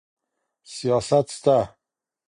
سیاست سته.